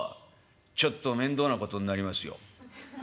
ちょっと面倒なことになりますよ」。